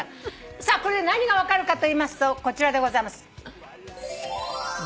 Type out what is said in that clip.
さあこれで何が分かるかといいますとこちらでございます。